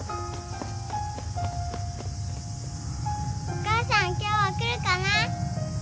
お母さん今日は来るかな？